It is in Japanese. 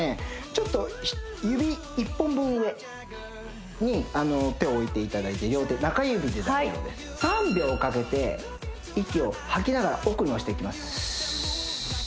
ちょっと指１本分上に手を置いていただいて両手中指で大丈夫です３秒かけて息を吐きながら奥に押していきます